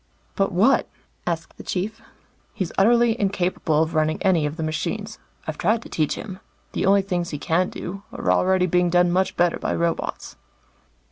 "But what?" asked the Chief. "He's utterly incapable of running any of the machines. I've tried to teach him. The only things he can do, are already being done much better by robots."